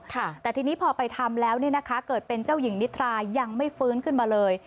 แต่ทีนี้พอไปทำแล้วเนี่ยนะคะเกิดเป็นเจ้าหญิงนิทรายังไม่ฟื้นขึ้นมาเลย